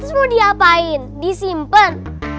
terus mau diapain disimpen